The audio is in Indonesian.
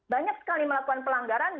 banyak sekali melakukan pelanggaran